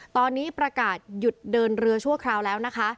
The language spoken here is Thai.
ตอนนี้ประกาศหยุดเดินเรือชั่วคราวแล้วนะคะ